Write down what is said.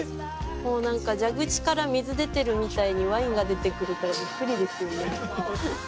蛇口から水出てるみたいにワインが出てくるからビックリですよね。